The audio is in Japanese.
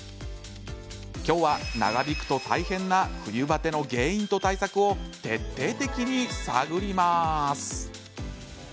今日は、長引くと大変な冬バテの原因と対策を徹底的に探ります。